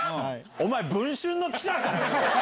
お前、文春の記者か。